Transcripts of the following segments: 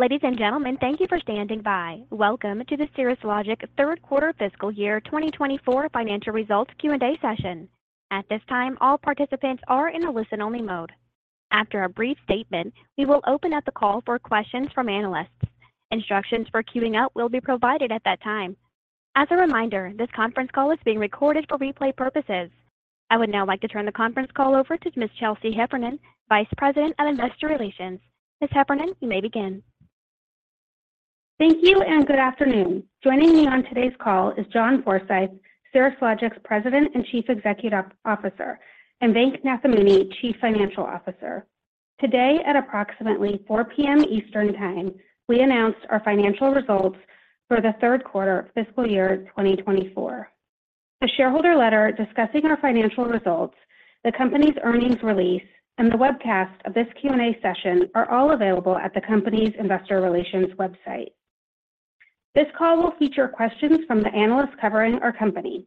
Ladies and gentlemen, thank you for standing by. Welcome to the Cirrus Logic third quarter fiscal year 2024 financial results Q&A session. At this time, all participants are in a listen-only mode. After a brief statement, we will open up the call for questions from analysts. Instructions for queuing up will be provided at that time. As a reminder, this conference call is being recorded for replay purposes. I would now like to turn the conference call over to Ms. Chelsea Heffernan, Vice President of Investor Relations. Ms. Heffernan, you may begin. Thank you, and good afternoon. Joining me on today's call is John Forsyth, Cirrus Logic's President and Chief Executive Officer, and Venk Nathamuni, Chief Financial Officer. Today, at approximately 4:00 P.M. Eastern Time, we announced our financial results for the third quarter of fiscal year 2024. The shareholder letter discussing our financial results, the company's earnings release, and the webcast of this Q&A session are all available at the company's investor relations website. This call will feature questions from the analysts covering our company.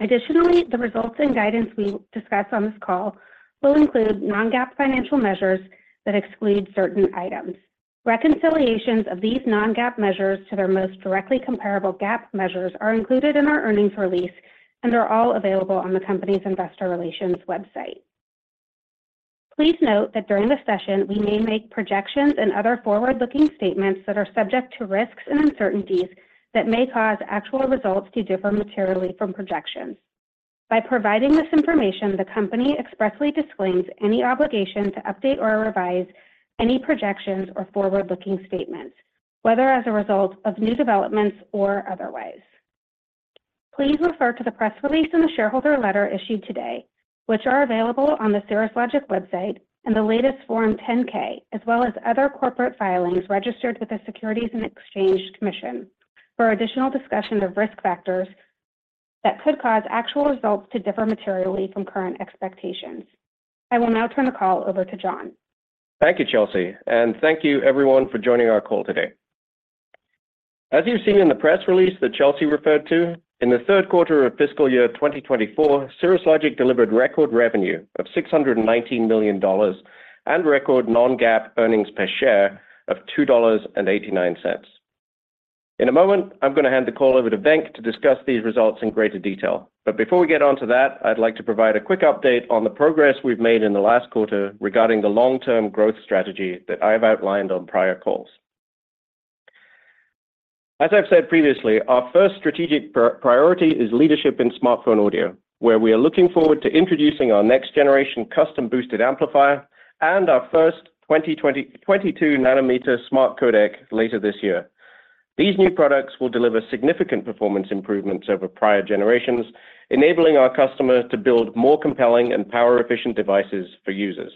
Additionally, the results and guidance we discuss on this call will include non-GAAP financial measures that exclude certain items. Reconciliations of these non-GAAP measures to their most directly comparable GAAP measures are included in our earnings release and are all available on the company's investor relations website. Please note that during the session, we may make projections and other forward-looking statements that are subject to risks and uncertainties that may cause actual results to differ materially from projections. By providing this information, the company expressly disclaims any obligation to update or revise any projections or forward-looking statements, whether as a result of new developments or otherwise. Please refer to the press release and the shareholder letter issued today, which are available on the Cirrus Logic website and the latest Form 10-K, as well as other corporate filings registered with the Securities and Exchange Commission for additional discussion of risk factors that could cause actual results to differ materially from current expectations. I will now turn the call over to John. Thank you, Chelsea, and thank you everyone for joining our call today. As you've seen in the press release that Chelsea referred to, in the third quarter of fiscal year 2024, Cirrus Logic delivered record revenue of $619 million and record non-GAAP earnings per share of $2.89. In a moment, I'm gonna hand the call over to Venk to discuss these results in greater detail. But before we get onto that, I'd like to provide a quick update on the progress we've made in the last quarter regarding the long-term growth strategy that I have outlined on prior calls. As I've said previously, our first strategic priority is leadership in smartphone audio, where we are looking forward to introducing our next generation custom-boosted amplifier and our first 22-nanometer smart codec later this year. These new products will deliver significant performance improvements over prior generations, enabling our customers to build more compelling and power-efficient devices for users.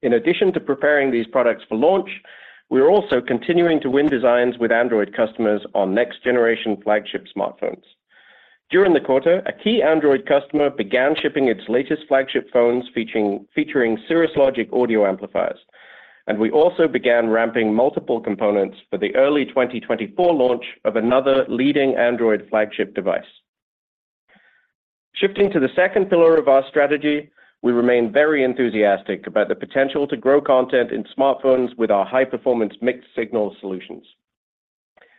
In addition to preparing these products for launch, we are also continuing to win designs with Android customers on next-generation flagship smartphones. During the quarter, a key Android customer began shipping its latest flagship phones featuring Cirrus Logic audio amplifiers, and we also began ramping multiple components for the early 2024 launch of another leading Android flagship device. Shifting to the second pillar of our strategy, we remain very enthusiastic about the potential to grow content in smartphones with our high-performance mixed-signal solutions.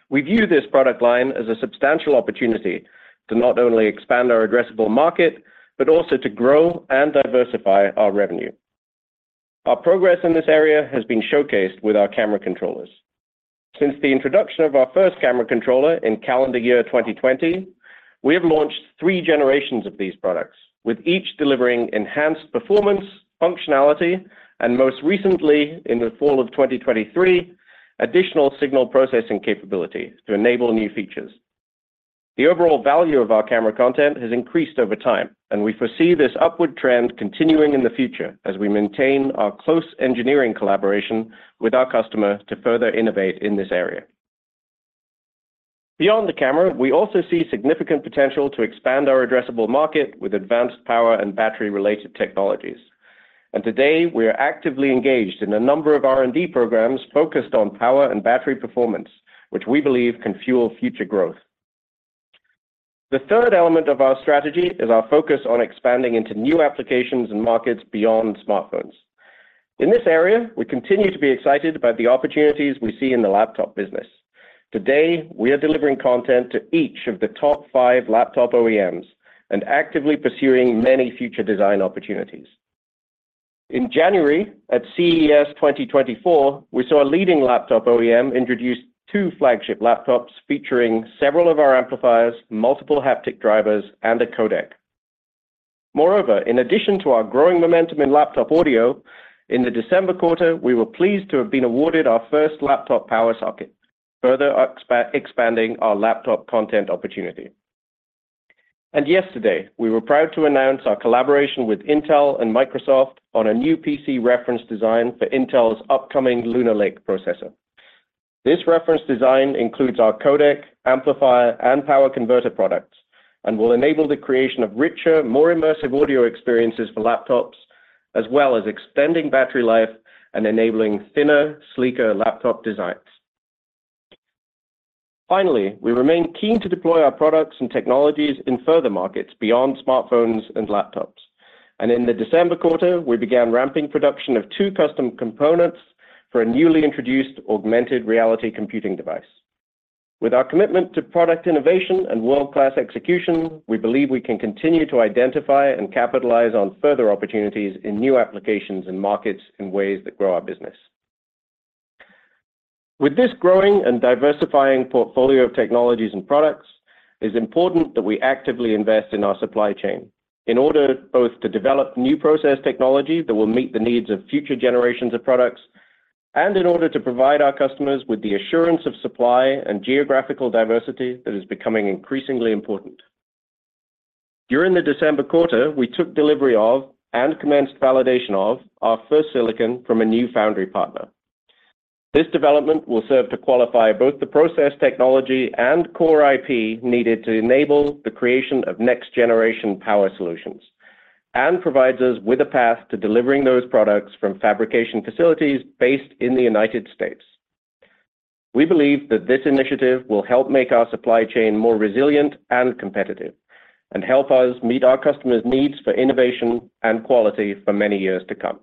We view this product line as a substantial opportunity to not only expand our addressable market, but also to grow and diversify our revenue. Our progress in this area has been showcased with our camera controllers. Since the introduction of our first camera controller in calendar year 2020, we have launched three generations of these products, with each delivering enhanced performance, functionality, and most recently, in the fall of 2023, additional signal processing capability to enable new features. The overall value of our camera content has increased over time, and we foresee this upward trend continuing in the future as we maintain our close engineering collaboration with our customer to further innovate in this area. Beyond the camera, we also see significant potential to expand our addressable market with advanced power and battery-related technologies, and today, we are actively engaged in a number of R&D programs focused on power and battery performance, which we believe can fuel future growth. The third element of our strategy is our focus on expanding into new applications and markets beyond smartphones. In this area, we continue to be excited about the opportunities we see in the laptop business. Today, we are delivering content to each of the top five laptop OEMs and actively pursuing many future design opportunities. In January, at CES 2024, we saw a leading laptop OEM introduce two flagship laptops featuring several of our amplifiers, multiple haptic drivers, and a codec. Moreover, in addition to our growing momentum in laptop audio, in the December quarter, we were pleased to have been awarded our first laptop power socket, further expanding our laptop content opportunity. And yesterday, we were proud to announce our collaboration with Intel and Microsoft on a new PC reference design for Intel's upcoming Lunar Lake processor. This reference design includes our codec, amplifier, and power converter products and will enable the creation of richer, more immersive audio experiences for laptops, as well as extending battery life and enabling thinner, sleeker laptop designs.... Finally, we remain keen to deploy our products and technologies in further markets beyond smartphones and laptops. In the December quarter, we began ramping production of two custom components for a newly introduced augmented reality computing device. With our commitment to product innovation and world-class execution, we believe we can continue to identify and capitalize on further opportunities in new applications and markets in ways that grow our business. With this growing and diversifying portfolio of technologies and products, it is important that we actively invest in our supply chain in order both to develop new process technology that will meet the needs of future generations of products, and in order to provide our customers with the assurance of supply and geographical diversity that is becoming increasingly important. During the December quarter, we took delivery of, and commenced validation of, our first silicon from a new foundry partner. This development will serve to qualify both the process, technology, and core IP needed to enable the creation of next-generation power solutions, and provides us with a path to delivering those products from fabrication facilities based in the United States. We believe that this initiative will help make our supply chain more resilient and competitive, and help us meet our customers' needs for innovation and quality for many years to come.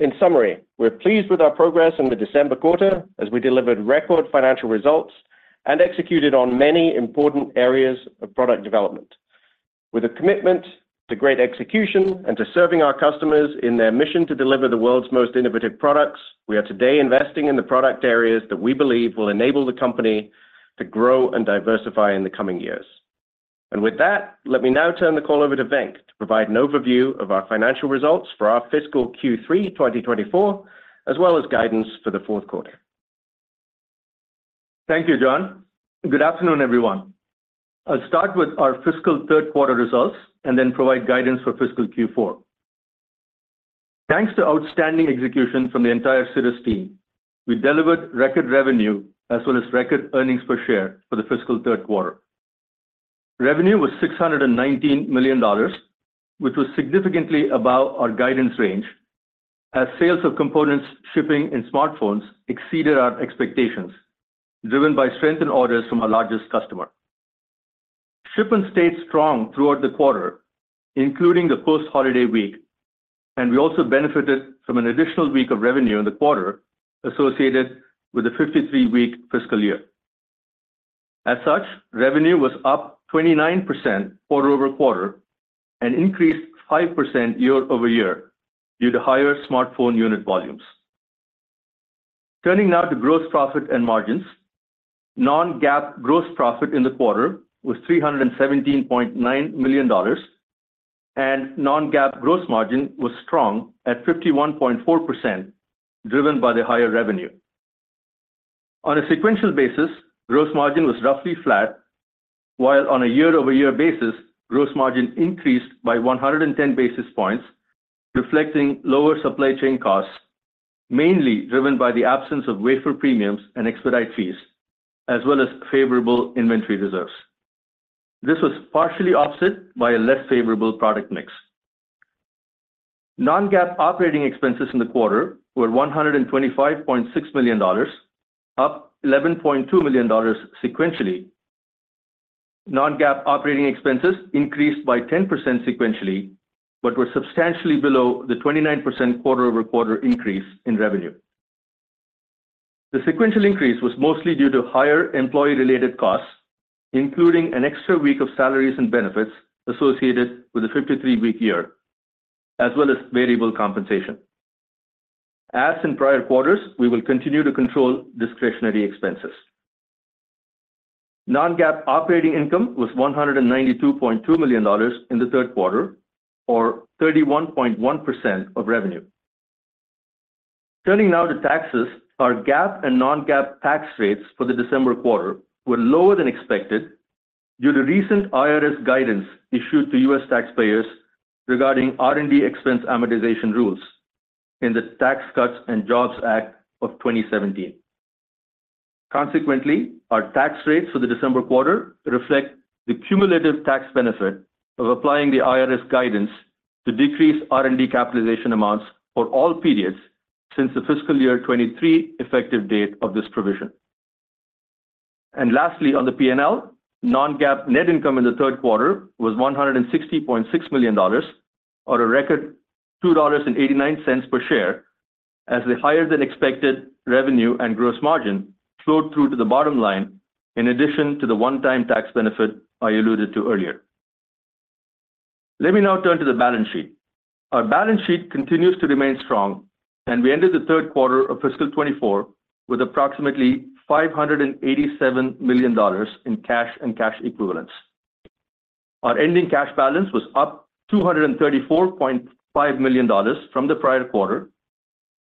In summary, we're pleased with our progress in the December quarter as we delivered record financial results and executed on many important areas of product development. With a commitment to great execution and to serving our customers in their mission to deliver the world's most innovative products, we are today investing in the product areas that we believe will enable the company to grow and diversify in the coming years. With that, let me now turn the call over to Venk to provide an overview of our financial results for our fiscal Q3 2024, as well as guidance for the fourth quarter. Thank you, John. Good afternoon, everyone. I'll start with our fiscal third quarter results and then provide guidance for fiscal Q4. Thanks to outstanding execution from the entire Cirrus team, we delivered record revenue as well as record earnings per share for the fiscal third quarter. Revenue was $619 million, which was significantly above our guidance range, as sales of components shipping in smartphones exceeded our expectations, driven by strength in orders from our largest customer. Shipments stayed strong throughout the quarter, including the post-holiday week, and we also benefited from an additional week of revenue in the quarter associated with the 53-week fiscal year. As such, revenue was up 29% quarter-over-quarter and increased 5% year-over-year due to higher smartphone unit volumes. Turning now to gross profit and margins. Non-GAAP gross profit in the quarter was $317.9 million, and non-GAAP gross margin was strong at 51.4%, driven by the higher revenue. On a sequential basis, gross margin was roughly flat, while on a year-over-year basis, gross margin increased by 110 basis points, reflecting lower supply chain costs, mainly driven by the absence of wafer premiums and expedite fees, as well as favorable inventory reserves. This was partially offset by a less favorable product mix. Non-GAAP operating expenses in the quarter were $125.6 million, up $11.2 million sequentially. Non-GAAP operating expenses increased by 10% sequentially, but were substantially below the 29% quarter-over-quarter increase in revenue. The sequential increase was mostly due to higher employee-related costs, including an extra week of salaries and benefits associated with the 53-week year, as well as variable compensation. As in prior quarters, we will continue to control discretionary expenses. Non-GAAP operating income was $192.2 million in the third quarter or 31.1% of revenue. Turning now to taxes, our GAAP and non-GAAP tax rates for the December quarter were lower than expected due to recent IRS guidance issued to U.S. taxpayers regarding R&D expense amortization rules in the Tax Cuts and Jobs Act of 2017. Consequently, our tax rates for the December quarter reflect the cumulative tax benefit of applying the IRS guidance to decrease R&D capitalization amounts for all periods since the fiscal year 2023 effective date of this provision. Lastly, on the P&L, non-GAAP net income in the third quarter was $160.6 million, or a record $2.89 per share, as the higher-than-expected revenue and gross margin flowed through to the bottom line, in addition to the one-time tax benefit I alluded to earlier. Let me now turn to the balance sheet. Our balance sheet continues to remain strong, and we ended the third quarter of fiscal 2024 with approximately $587 million in cash and cash equivalents. Our ending cash balance was up $234.5 million from the prior quarter,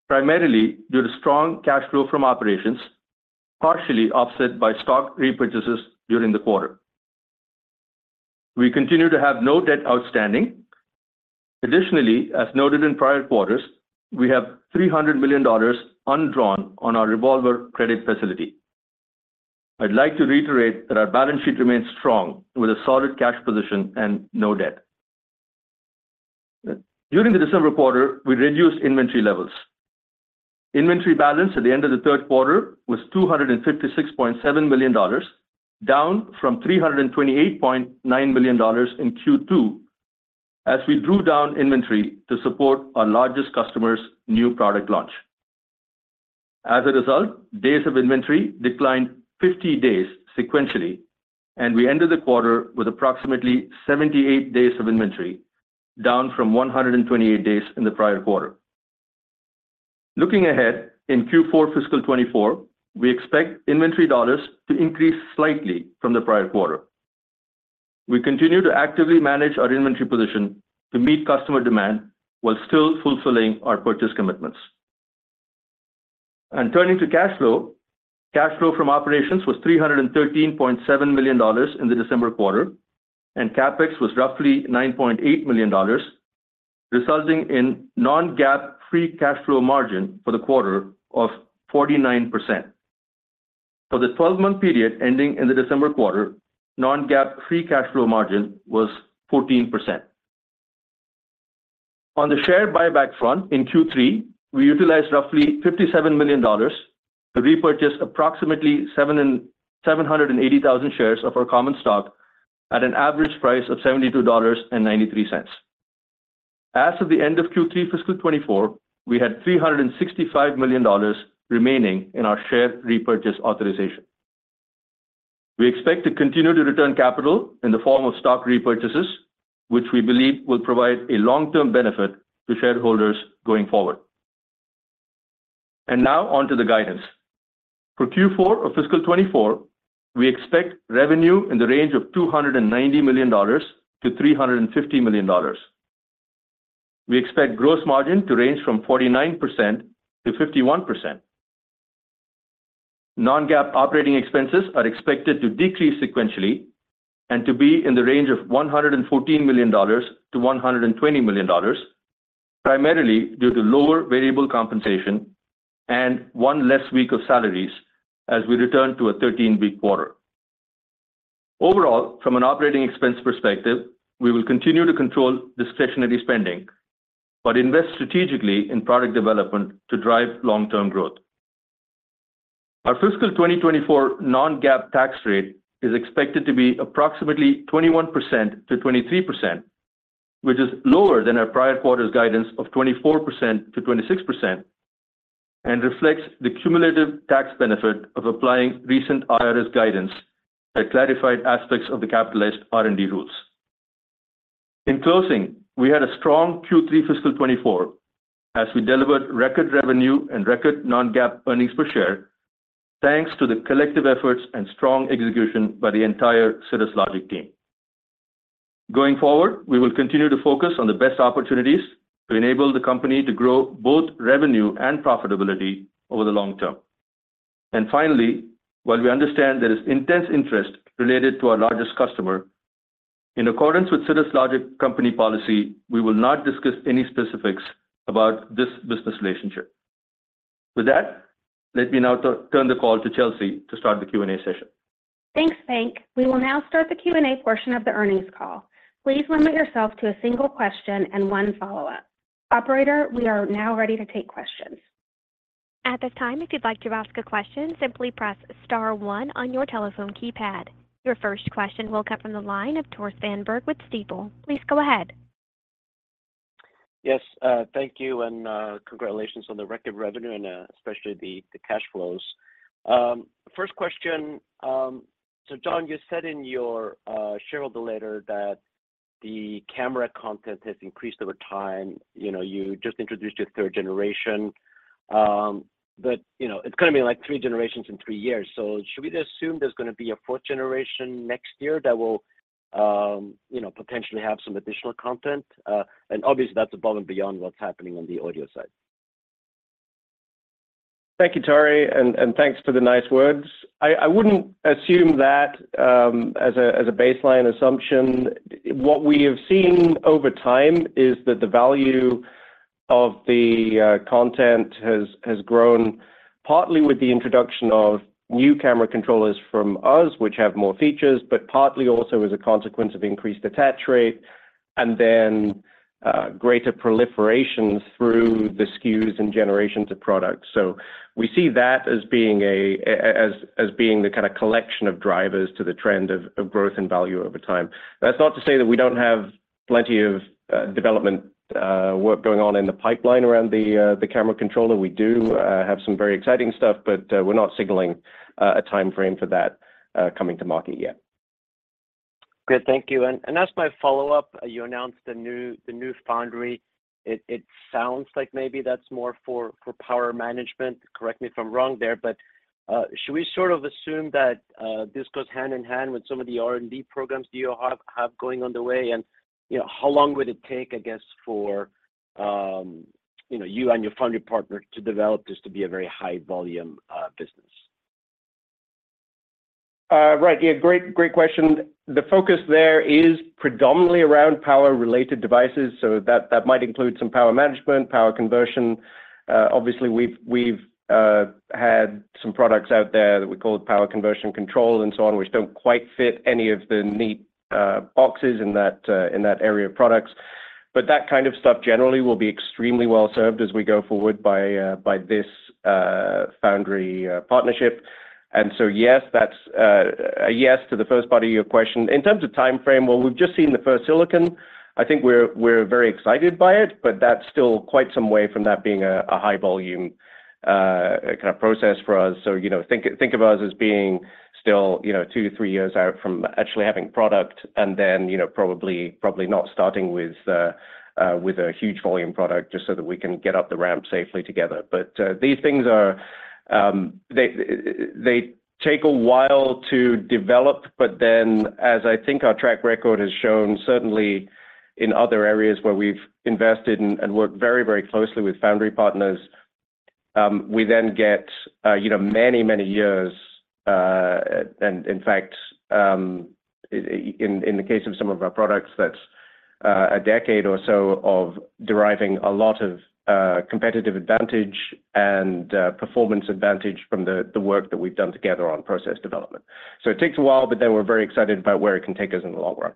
primarily due to strong cash flow from operations, partially offset by stock repurchases during the quarter. We continue to have no debt outstanding. Additionally, as noted in prior quarters, we have $300 million undrawn on our revolver credit facility. I'd like to reiterate that our balance sheet remains strong, with a solid cash position and no debt. During the December quarter, we reduced inventory levels. Inventory balance at the end of the third quarter was $256.7 million, down from $328.9 million in Q2, as we drew down inventory to support our largest customer's new product launch. As a result, days of inventory declined 50 days sequentially, and we ended the quarter with approximately 78 days of inventory, down from 128 days in the prior quarter. Looking ahead, in Q4 fiscal 2024, we expect inventory dollars to increase slightly from the prior quarter. We continue to actively manage our inventory position to meet customer demand, while still fulfilling our purchase commitments. Turning to cash flow, cash flow from operations was $313.7 million in the December quarter, and CapEx was roughly $9.8 million, resulting in non-GAAP free cash flow margin for the quarter of 49%. For the twelve-month period ending in the December quarter, non-GAAP free cash flow margin was 14%. On the share buyback front, in Q3, we utilized roughly $57 million to repurchase approximately 780,000 shares of our common stock at an average price of $72.93. As of the end of Q3 fiscal 2024, we had $365 million remaining in our share repurchase authorization. We expect to continue to return capital in the form of stock repurchases, which we believe will provide a long-term benefit to shareholders going forward. Now on to the guidance. For Q4 of fiscal 2024, we expect revenue in the range of $290 million-$350 million. We expect gross margin to range from 49%-51%. Non-GAAP operating expenses are expected to decrease sequentially and to be in the range of $114 million-$120 million, primarily due to lower variable compensation and one less week of salaries as we return to a 13-week quarter. Overall, from an operating expense perspective, we will continue to control discretionary spending, but invest strategically in product development to drive long-term growth. Our fiscal 2024 non-GAAP tax rate is expected to be approximately 21%-23%, which is lower than our prior quarter's guidance of 24%-26%, and reflects the cumulative tax benefit of applying recent IRS guidance that clarified aspects of the capitalized R&D rules. In closing, we had a strong Q3 fiscal 2024, as we delivered record revenue and record non-GAAP earnings per share, thanks to the collective efforts and strong execution by the entire Cirrus Logic team. Going forward, we will continue to focus on the best opportunities to enable the company to grow both revenue and profitability over the long term. And finally, while we understand there is intense interest related to our largest customer, in accordance with Cirrus Logic company policy, we will not discuss any specifics about this business relationship. With that, let me now turn the call to Chelsea to start the Q&A session. Thanks, Venk. We will now start the Q&A portion of the earnings call. Please limit yourself to a single question and one follow-up. Operator, we are now ready to take questions. At this time, if you'd like to ask a question, simply press star one on your telephone keypad. Your first question will come from the line of Tore Svanberg with Stifel. Please go ahead. Yes, thank you, and congratulations on the record revenue and especially the cash flows. First question, so John, you said in your shareholder letter that the camera content has increased over time. You know, you just introduced your third generation, but you know, it's gonna be, like, three generations in three years. So should we just assume there's gonna be a fourth generation next year that will, you know, potentially have some additional content? And obviously, that's above and beyond what's happening on the audio side. Thank you, Tore, and thanks for the nice words. I wouldn't assume that as a baseline assumption. What we have seen over time is that the value of the content has grown, partly with the introduction of new camera controllers from us, which have more features, but partly also as a consequence of increased attach rate, and then greater proliferation through the SKUs and generations of products. So we see that as being the kind of collection of drivers to the trend of growth and value over time. That's not to say that we don't have plenty of development work going on in the pipeline around the camera controller. We do have some very exciting stuff, but we're not signaling a timeframe for that coming to market yet. Good. Thank you. And as my follow-up, you announced the new foundry. It sounds like maybe that's more for power management. Correct me if I'm wrong there, but should we sort of assume that this goes hand in hand with some of the R&D programs you have going on the way? And, you know, how long would it take, I guess, for you know, you and your foundry partner to develop this to be a very high volume business? Right. Yeah, great, great question. The focus there is predominantly around power-related devices, so that might include some power management, power conversion. Obviously, we've had some products out there that we call power conversion control and so on, which don't quite fit any of the neat boxes in that area of products. but that kind of stuff generally will be extremely well served as we go forward by, by this, foundry, partnership. And so, yes, that's, a yes to the first part of your question. In terms of time frame, well, we've just seen the first silicon. I think we're, we're very excited by it, but that's still quite some way from that being a, a high volume, kind of process for us. So, you know, think, think of us as being still, you know, two, three years out from actually having product, and then, you know, probably, probably not starting with a, with a huge volume product just so that we can get up the ramp safely together. But, these things are, they take a while to develop, but then, as I think our track record has shown, certainly in other areas where we've invested and worked very, very closely with foundry partners, we then get, you know, many, many years, and, in fact, in the case of some of our products, that's a decade or so of deriving a lot of competitive advantage and performance advantage from the work that we've done together on process development. So it takes a while, but then we're very excited about where it can take us in the long run.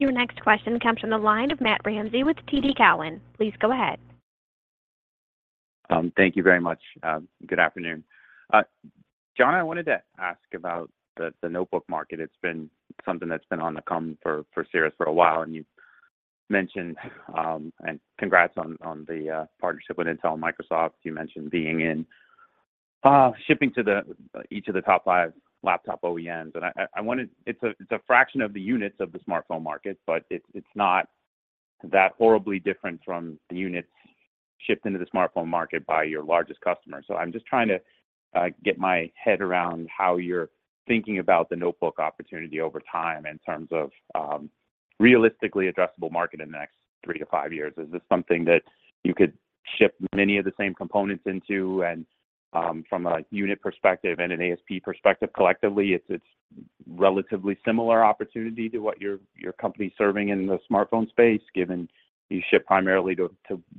Your next question comes from the line of Matt Ramsay with TD Cowen. Please go ahead. Thank you very much. Good afternoon. John, I wanted to ask about the notebook market. It's been something that's been on the come for Cirrus for a while, and you've mentioned and congrats on the partnership with Intel and Microsoft. You mentioned being in shipping to each of the top five laptop OEMs, and I wanted. It's a fraction of the units of the smartphone market, but it's not that horribly different from the units shipped into the smartphone market by your largest customer. So I'm just trying to get my head around how you're thinking about the notebook opportunity over time in terms of realistically addressable market in the next three-five years. Is this something that you could ship many of the same components into? From a unit perspective and an ASP perspective, collectively, it's relatively similar opportunity to what your company is serving in the smartphone space, given you ship primarily to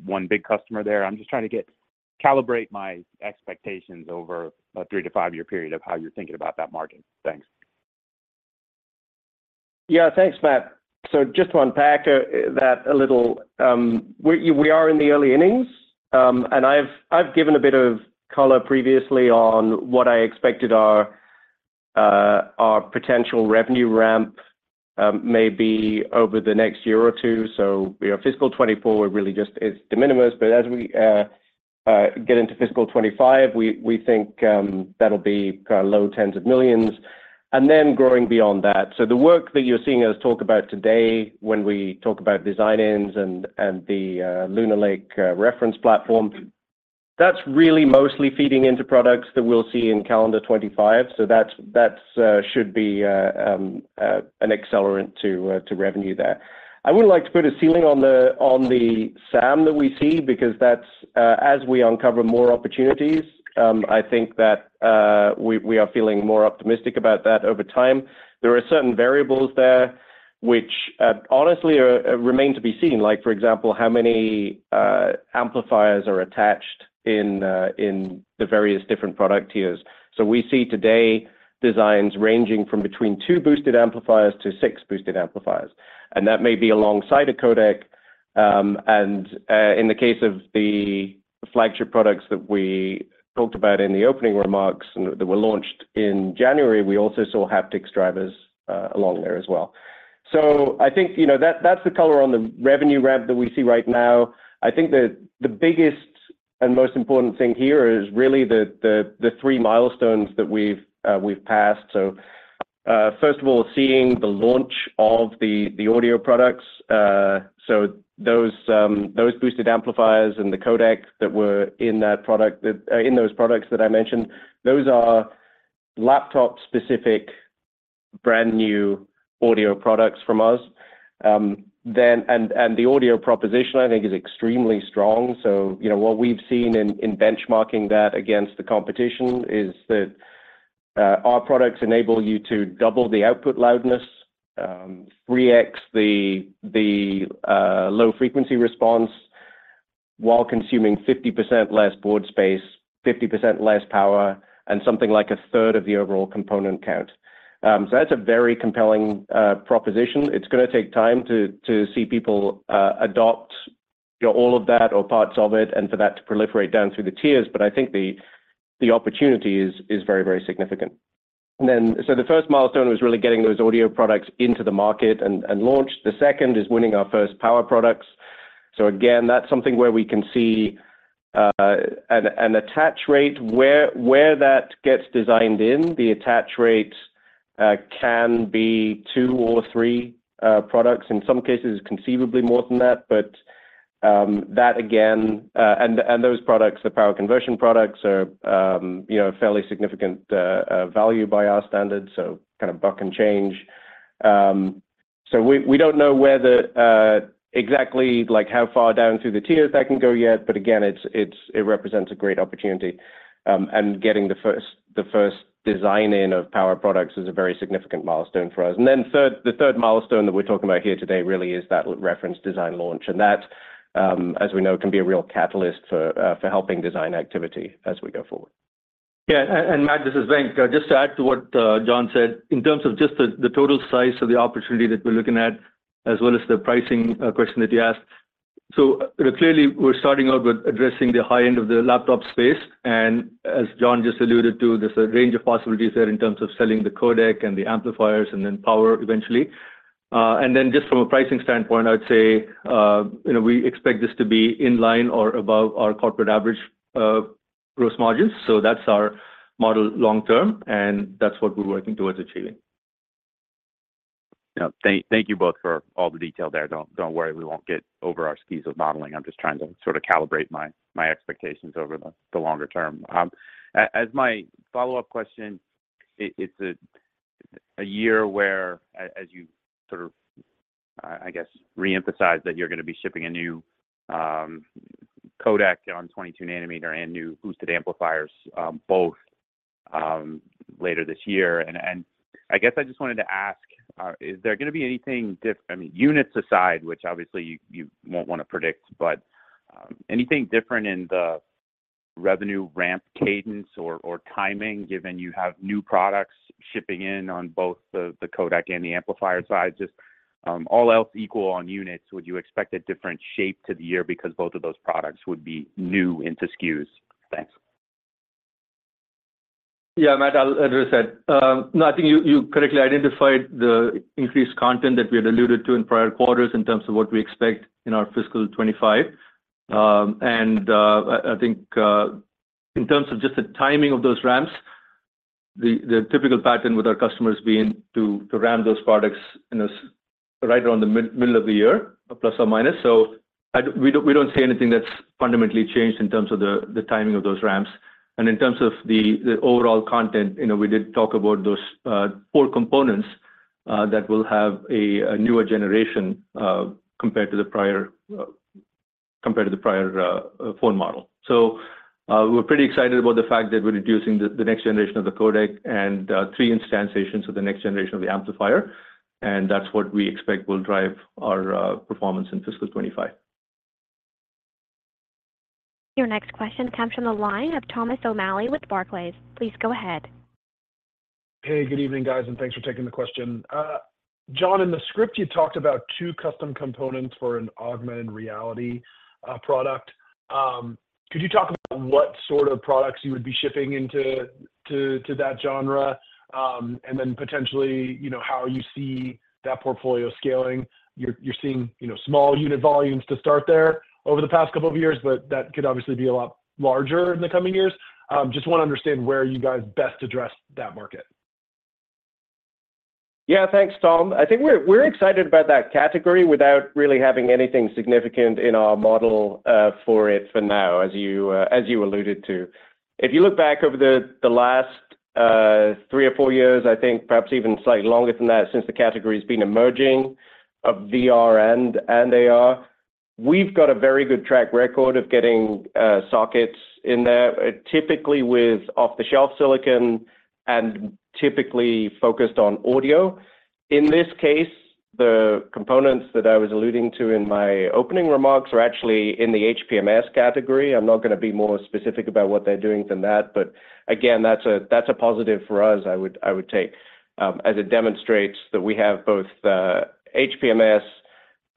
one big customer there. I'm just trying to get... calibrate my expectations over a three- to five-year period of how you're thinking about that margin. Thanks. Yeah. Thanks, Matt. So just to unpack that a little, we are in the early innings, and I've given a bit of color previously on what I expected our potential revenue ramp may be over the next year or two. So, you know, fiscal 2024, we're really just, it's de minimis, but as we get into fiscal 2025, we think that'll be kind of low $10s of millions, and then growing beyond that. So the work that you're seeing us talk about today when we talk about design-ins and the Lunar Lake reference platform, that's really mostly feeding into products that we'll see in calendar 2025. So that's should be an accelerant to revenue there. I wouldn't like to put a ceiling on the, on the SAM that we see, because that's, as we uncover more opportunities, I think that, we, we are feeling more optimistic about that over time. There are certain variables there, which, honestly, remain to be seen, like, for example, how many, amplifiers are attached in the, in the various different product tiers. So we see today designs ranging from between two boosted amplifiers to six boosted amplifiers, and that may be alongside a codec. And, in the case of the flagship products that we talked about in the opening remarks, and that were launched in January, we also saw haptic drivers, along there as well. So I think, you know, that's, that's the color on the revenue ramp that we see right now. I think the biggest and most important thing here is really the three milestones that we've passed. So first of all, seeing the launch of the audio products, so those boosted amplifiers and the codecs that were in that product in those products that I mentioned, those are laptop-specific, brand new audio products from us. Then, and the audio proposition, I think, is extremely strong. So, you know, what we've seen in benchmarking that against the competition is that our products enable you to double the output loudness, 3 times the low frequency response, while consuming 50% less board space, 50% less power, and something like a third of the overall component count. So that's a very compelling proposition. It's gonna take time to see people adopt, you know, all of that or parts of it, and for that to proliferate down through the tiers, but I think the opportunity is very, very significant. Then, the first milestone was really getting those audio products into the market and launched. The second is winning our first power products. So again, that's something where we can see an attach rate. Where that gets designed in, the attach rate can be two or three products, in some cases, conceivably more than that. But that again, and those products, the power conversion products, are, you know, fairly significant value by our standards, so kind of buck and change. So we don't know where exactly, like, how far down through the tiers that can go yet, but again, it represents a great opportunity, and getting the first design in of power products is a very significant milestone for us. And then the third milestone that we're talking about here today really is that reference design launch, and that, as we know, can be a real catalyst for helping design activity as we go forward. Yeah, and Matt, this is Venk. Just to add to what John said, in terms of just the total size of the opportunity that we're looking at, as well as the pricing question that you asked. So clearly, we're starting out with addressing the high end of the laptop space, and as John just alluded to, there's a range of possibilities there in terms of selling the codec and the amplifiers, and then power eventually. And then just from a pricing standpoint, I would say, you know, we expect this to be in line or above our corporate average gross margins. So that's our model long term, and that's what we're working towards achieving. Yeah. Thank you both for all the detail there. Don't worry, we won't get over our skis of modeling. I'm just trying to sort of calibrate my expectations over the longer term. As my follow-up question, it's a year where as you sort of, I guess, reemphasized that you're gonna be shipping a new codec on 22-nanometer and new boosted amplifiers, both later this year. And I guess I just wanted to ask, is there gonna be anything different—I mean, units aside, which obviously you won't want to predict, but anything different in the revenue ramp cadence or timing, given you have new products shipping in on both the codec and the amplifier side? Just, all else equal on units, would you expect a different shape to the year because both of those products would be new into SKUs? Thanks. Yeah, Matt, I'll address that. No, I think you correctly identified the increased content that we had alluded to in prior quarters in terms of what we expect in our fiscal 2025. And I think in terms of just the timing of those ramps, the typical pattern with our customers being to ramp those products, you know, right around the middle of the year, plus or minus. So, we don't see anything that's fundamentally changed in terms of the timing of those ramps. And in terms of the overall content, you know, we did talk about those four components that will have a newer generation compared to the prior phone model. So, we're pretty excited about the fact that we're introducing the next generation of the codec and three instantiations of the next generation of the amplifier, and that's what we expect will drive our performance in fiscal 2025. Your next question comes from the line of Thomas O'Malley with Barclays. Please go ahead. Hey, good evening, guys, and thanks for taking the question. John, in the script, you talked about two custom components for an augmented reality product. Could you talk about what sort of products you would be shipping into that genre? And then potentially, you know, how you see that portfolio scaling. You're seeing, you know, small unit volumes to start there over the past couple of years, but that could obviously be a lot larger in the coming years. Just wanna understand where you guys best address that market. Yeah, thanks, Tom. I think we're excited about that category without really having anything significant in our model for it for now, as you alluded to. If you look back over the last three or four years, I think perhaps even slightly longer than that, since the category has been emerging, of VR and AR, we've got a very good track record of getting sockets in there, typically with off-the-shelf silicon and typically focused on audio. In this case, the components that I was alluding to in my opening remarks are actually in the HPMS category. I'm not gonna be more specific about what they're doing than that, but again, that's a positive for us. I would take it as it demonstrates that we have both HPMS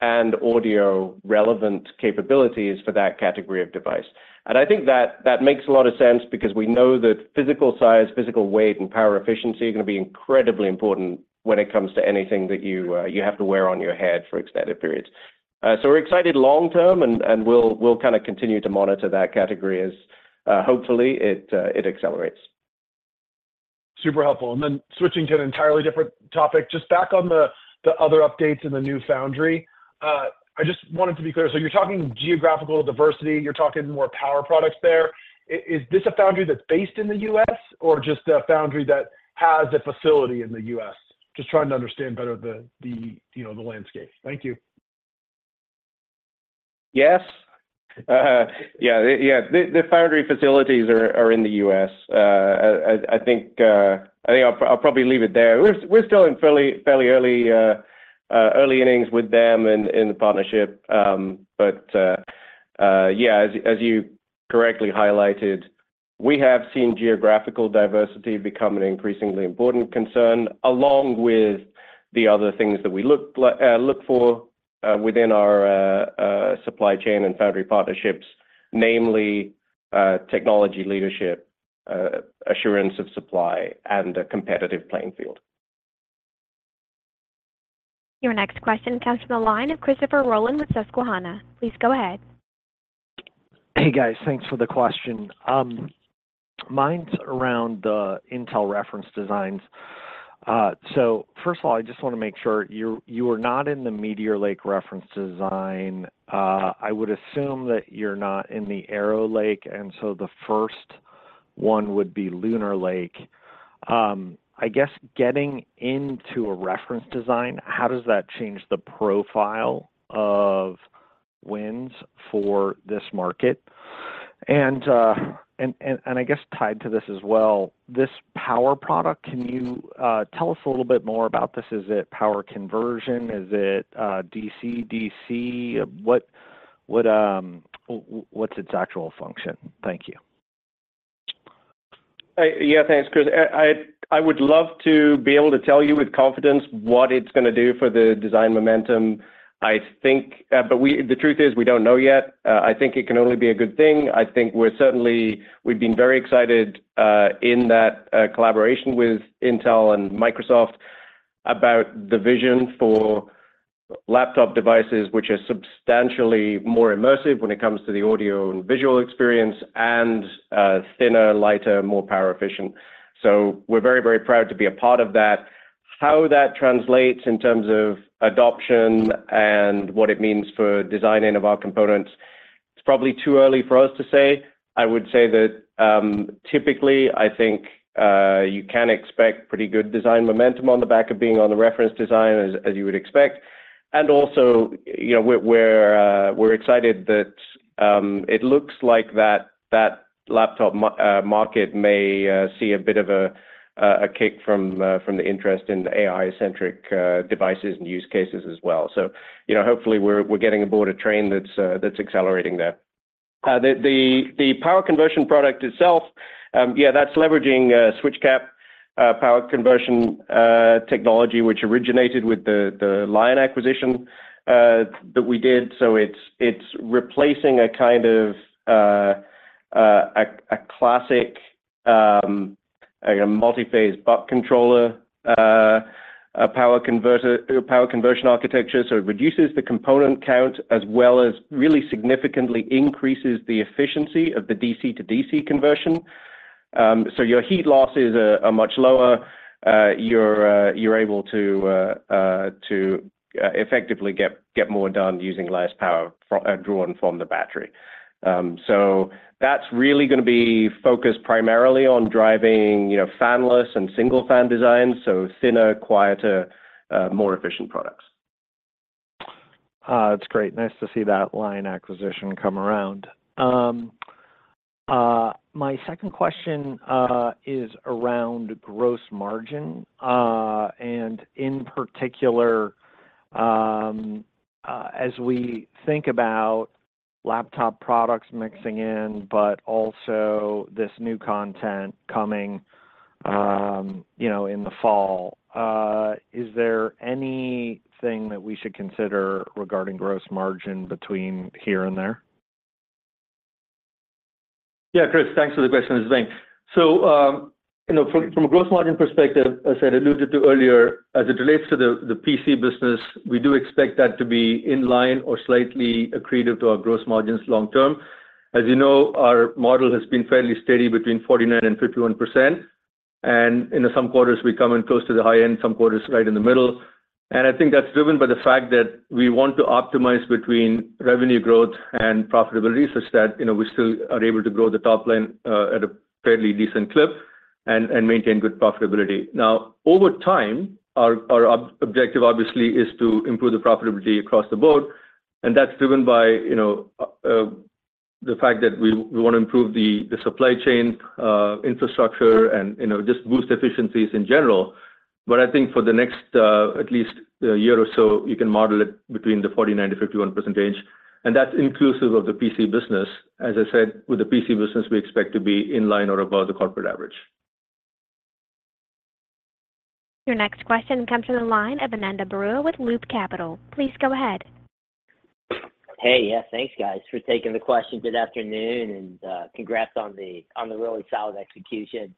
and audio-relevant capabilities for that category of device. I think that that makes a lot of sense because we know that physical size, physical weight, and power efficiency are gonna be incredibly important when it comes to anything that you have to wear on your head for extended periods. So we're excited long term, and we'll kind of continue to monitor that category as hopefully it accelerates. Super helpful. Then switching to an entirely different topic. Just back on the other updates in the new foundry, I just wanted to be clear: so you're talking geographical diversity, you're talking more power products there. Is this a foundry that's based in the U.S. or just a foundry that has a facility in the U.S.? Just trying to understand better, you know, the landscape. Thank you. Yes. Yeah, the foundry facilities are in the U.S. I think I'll probably leave it there. We're still in fairly early innings with them in the partnership. But yeah, as you correctly highlighted, we have seen geographical diversity become an increasingly important concern, along with the other things that we look for within our supply chain and foundry partnerships, namely, technology leadership, assurance of supply, and a competitive playing field. Your next question comes from the line of Christopher Rolland with Susquehanna. Please go ahead. Hey, guys. Thanks for the question. Mine's around the Intel reference designs. So first of all, I just wanna make sure, you are not in the Meteor Lake reference design. I would assume that you're not in the Arrow Lake, and so the first one would be Lunar Lake. I guess getting into a reference design, how does that change the profile of wins for this market? And I guess tied to this as well, this power product, can you tell us a little bit more about this? Is it power conversion? Is it, DC-DC? What's its actual function? Thank you. Yeah, thanks, Chris. I would love to be able to tell you with confidence what it's gonna do for the design momentum. I think the truth is, we don't know yet. I think it can only be a good thing. I think we're certainly, we've been very excited in that collaboration with Intel and Microsoft about the vision for laptop devices, which are substantially more immersive when it comes to the audio and visual experience, and thinner, lighter, more power efficient. So we're very, very proud to be a part of that. How that translates in terms of adoption and what it means for designing of our components, it's probably too early for us to say. I would say that, typically, I think, you can expect pretty good design momentum on the back of being on the reference design, as you would expect. And also, you know, we're excited that, it looks like that laptop market may see a bit of a kick from the interest in the AI-centric devices and use cases as well. So, you know, hopefully we're getting aboard a train that's accelerating there. The power conversion product itself, yeah, that's leveraging switched-cap power conversion technology, which originated with the Lion acquisition that we did. So it's replacing a kind of a classic multi-phase buck controller, a power converter - a power conversion architecture. So it reduces the component count, as well as really significantly increases the efficiency of the DC-DC conversion. So your heat losses are much lower. You're able to effectively get more done using less power drawn from the battery. So that's really gonna be focused primarily on driving, you know, fanless and single fan designs, so thinner, quieter, more efficient products. It's great. Nice to see that Lion acquisition come around. My second question is around gross margin and in particular, as we think about laptop products mixing in, but also this new content coming, you know, in the fall, is there anything that we should consider regarding gross margin between here and there? Yeah, Chris, thanks for the question. So, you know, from a gross margin perspective, as I alluded to earlier, as it relates to the PC business, we do expect that to be in line or slightly accretive to our gross margins long term. As you know, our model has been fairly steady between 49% and 51%, and in some quarters, we come in close to the high end, some quarters right in the middle. And I think that's driven by the fact that we want to optimize between revenue growth and profitability, such that, you know, we still are able to grow the top line at a fairly decent clip and maintain good profitability. Now, over time, our objective obviously is to improve the profitability across the board, and that's driven by, you know, the fact that we wanna improve the supply chain infrastructure and, you know, just boost efficiencies in general. But I think for the next, at least a year or so, you can model it between 49%-51%, and that's inclusive of the PC business. As I said, with the PC business, we expect to be in line or above the corporate average. Your next question comes from the line of Ananda Baruah with Loop Capital. Please go ahead. Hey, yeah, thanks, guys, for taking the questions this afternoon, and congrats on the really solid execution.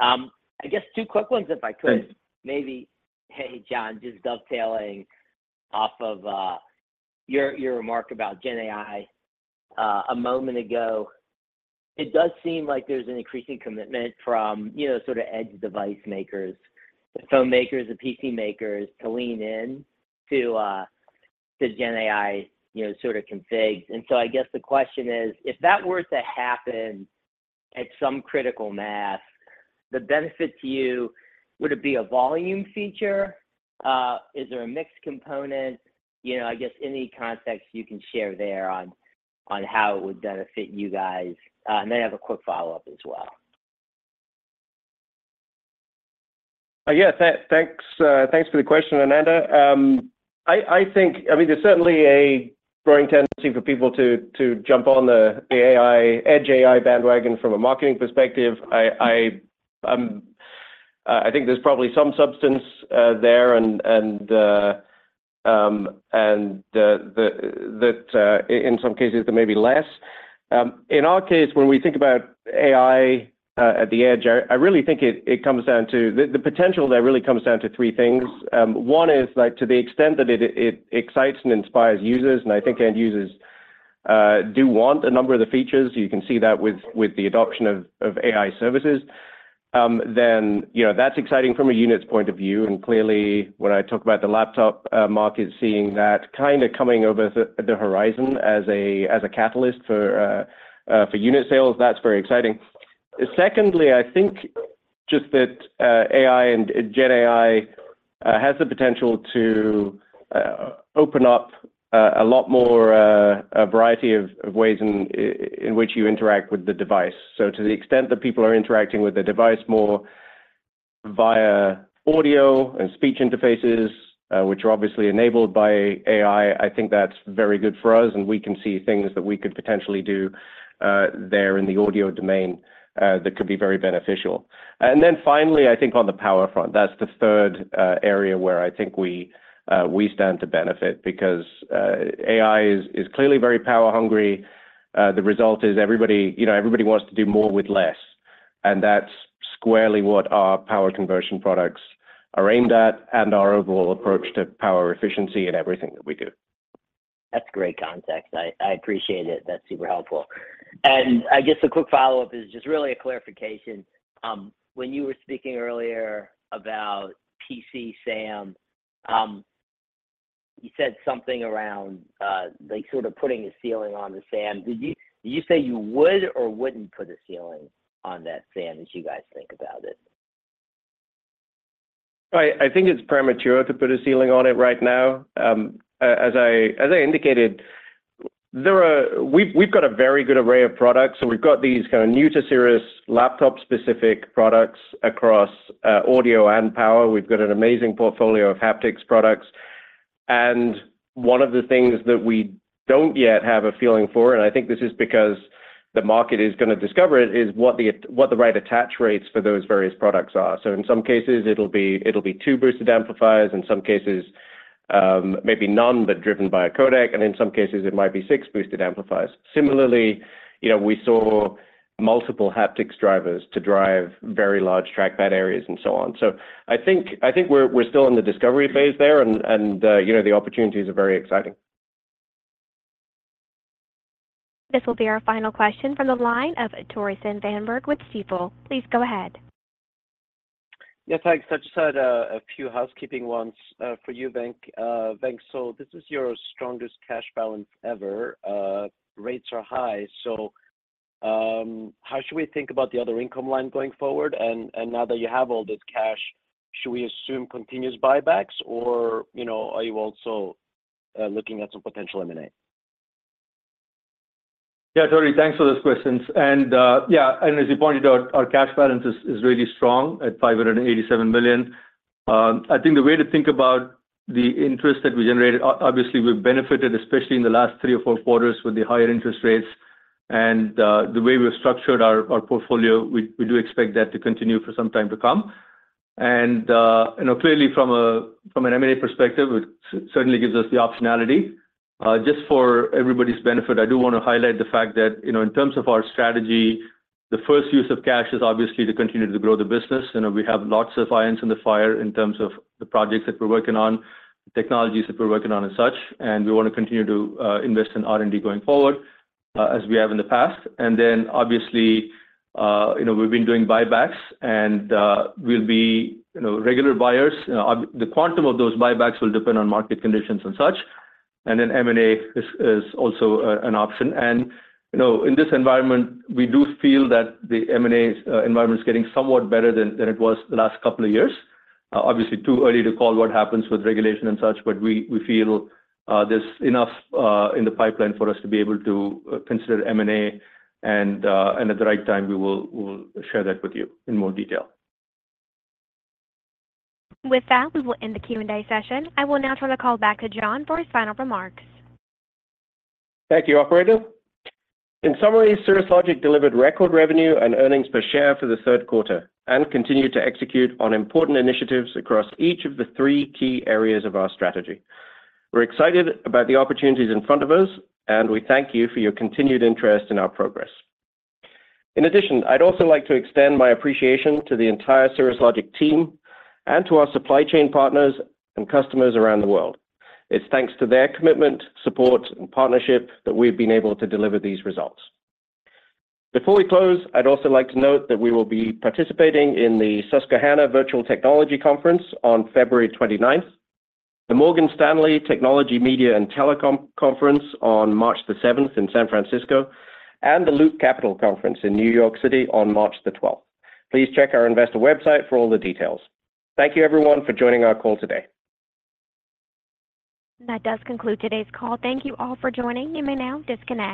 I guess two quick ones, if I could. Sure. Maybe, hey, John, just dovetailing off of your remark about Gen AI a moment ago. It does seem like there's an increasing commitment from, you know, sort of edge device makers, the phone makers, the PC makers, to lean in to Gen AI, you know, sort of configs. And so I guess the question is: If that were to happen at some critical mass, the benefit to you, would it be a volume feature? Is there a mixed component? You know, I guess any context you can share there on how it would benefit you guys. And I have a quick follow-up as well. Yes, thanks for the question, Ananda. I think—I mean, there's certainly a growing tendency for people to jump on the AI, Edge AI bandwagon from a marketing perspective. I think there's probably some substance there and, in some cases, there may be less. In our case, when we think about AI at the edge, I really think it comes down to the potential there really comes down to three things. One is, like, to the extent that it excites and inspires users, and I think end users do want a number of the features. You can see that with the adoption of AI services. Then, you know, that's exciting from a unit's point of view, and clearly, when I talk about the laptop market, seeing that kinda coming over the horizon as a catalyst for unit sales, that's very exciting. Secondly, I think just that AI and Gen AI has the potential to open up a lot more a variety of ways in which you interact with the device. So, to the extent that people are interacting with the device more via audio and speech interfaces, which are obviously enabled by AI, I think that's very good for us, and we can see things that we could potentially do there in the audio domain that could be very beneficial. Then finally, I think on the power front, that's the third area where I think we stand to benefit because AI is clearly very power hungry. The result is everybody, you know, everybody wants to do more with less, and that's squarely what our power conversion products are aimed at, and our overall approach to power efficiency in everything that we do. That's great context. I appreciate it. That's super helpful. And I guess a quick follow-up is just really a clarification. When you were speaking earlier about PC SAM, you said something around, like sort of putting a ceiling on the SAM. Did you say you would or wouldn't put a ceiling on that SAM, as you guys think about it? I think it's premature to put a ceiling on it right now. As I indicated, we've got a very good array of products, so we've got this kind of new to Cirrus laptop specific products across audio and power. We've got an amazing portfolio of haptics products. And one of the things that we don't yet have a feeling for, and I think this is because the market is gonna discover it, is what the right attach rates for those various products are. So, in some cases, it'll be two boosted amplifiers, in some cases maybe none, but driven by a codec, and in some cases, it might be six boosted amplifiers. Similarly, you know, we saw multiple haptics drivers to drive very large trackpad areas and so on. So, I think we're still in the discovery phase there, and you know, the opportunities are very exciting. This will be our final question from the line of Tore Svanberg with Stifel. Please go ahead. Yes, thanks. I just had a few housekeeping ones for you, Venk, Venk. So, this is your strongest cash balance ever. Rates are high, so how should we think about the other income line going forward? And now that you have all this cash, should we assume continuous buybacks, or, you know, are you also looking at some potential M&A? Yeah, Tore, thanks for those questions. And, yeah, and as you pointed out, our cash balance is really strong at $587 million. I think the way to think about the interest that we generated, obviously, we've benefited, especially in the last three or four quarters, with the higher interest rates. And the way we've structured our portfolio, we do expect that to continue for some time to come. And, you know, clearly from a M&A perspective, it certainly gives us the optionality. Just for everybody's benefit, I do wanna highlight the fact that, you know, in terms of our strategy, the first use of cash is obviously to continue to grow the business. You know, we have lots of irons in the fire in terms of the projects that we're working on, technologies that we're working on, and such, and we wanna continue to invest in R&D going forward, as we have in the past. And then obviously, you know, we've been doing buybacks, and we'll be, you know, regular buyers. The quantum of those buybacks will depend on market conditions and such, and then M&A is also an option. And, you know, in this environment, we do feel that the M&A environment is getting somewhat better than it was the last couple of years. Obviously, too early to call what happens with regulation and such, but we feel there's enough in the pipeline for us to be able to consider M&A. At the right time, we'll share that with you in more detail. With that, we will end the Q&A session. I will now turn the call back to John for his final remarks. Thank you, operator. In summary, Cirrus Logic delivered record revenue and earnings per share for the third quarter and continued to execute on important initiatives across each of the three key areas of our strategy. We're excited about the opportunities in front of us, and we thank you for your continued interest in our progress. In addition, I'd also like to extend my appreciation to the entire Cirrus Logic team and to our supply chain partners and customers around the world. It's thanks to their commitment, support, and partnership that we've been able to deliver these results. Before we close, I'd also like to note that we will be participating in the Susquehanna Virtual Technology Conference on February 29th, the Morgan Stanley Technology, Media, and Telecom Conference on March 7th in San Francisco, and the Loop Capital Conference in New York City on March 12th. Please check our investor website for all the details. Thank you, everyone, for joining our call today. That does conclude today's call. Thank you all for joining. You may now disconnect.